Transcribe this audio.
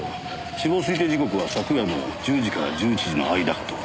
死亡推定時刻は昨夜の１０時から１１時の間かと。